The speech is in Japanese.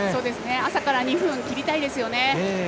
朝から２分切りたいですよね。